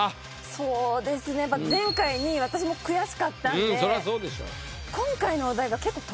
そうですねやっぱ前回２位私も悔しかったんで。